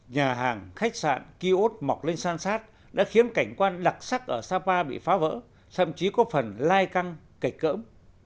nhà hàng khách sạn kiosk mọc lên san sát đã khiến cảnh quan đặc sắc ở sapa bị phá vỡ thậm chí có phần lai căng kịch cỡm